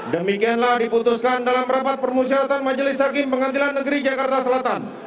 demikianlah diputuskan dalam rapat permusyaratan majelis hakim pengadilan negeri jakarta selatan